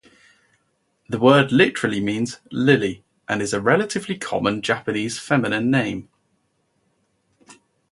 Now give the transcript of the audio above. The word literally means "lily", and is a relatively common Japanese feminine name.